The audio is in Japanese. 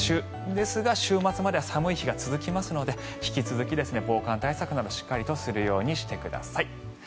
ですが週末までは寒い日が続きますので引き続き防寒対策などしっかりとするようにしてください。